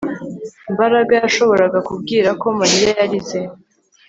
Mbaraga yashoboraga kubwira ko Mariya yarize